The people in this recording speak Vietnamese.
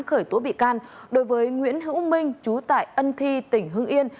khởi tố bị can đối với nguyễn hữu minh trú tại ân thi tỉnh hưng yên